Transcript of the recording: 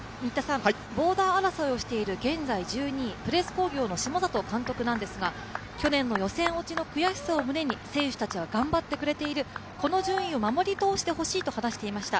ボーダー争いをしている現在１２位、プレス工業の下里監督なんですが、去年の予選落ちの悔しさを胸に選手たちは頑張ってくれている、この順位を守り通してほしいと話していました。